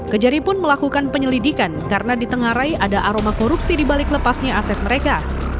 kejari pun melakukan penyelidikan karena ditengarai ada aroma korupsi di balik lepasnya aset mereka